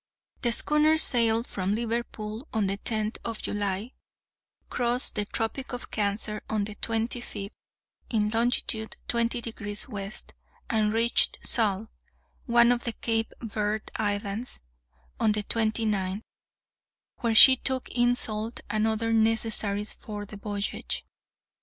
The schooner sailed from Liverpool on the tenth of July, crossed the Tropic of Cancer on the twenty fifth, in longitude twenty degrees west, and reached Sal, one of the Cape Verd islands, on the twenty ninth, where she took in salt and other necessaries for the voyage.